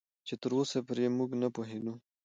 چې تراوسه پرې موږ نه پوهېدو